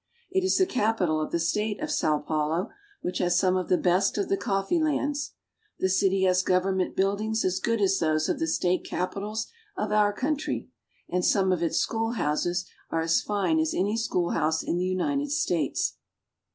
It is the capital of the state of Sao Paulo, which has some of the best of the coffee lands. The city has government buildings as good as those of the State capitals of our country, and some of its schoolhouses are as fine as any schoolhouse in the United States.